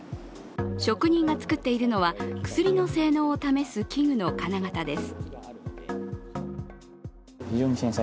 職人が作っているのは、薬の性能を試す器具の金型です。